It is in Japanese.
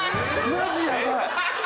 マジヤバい！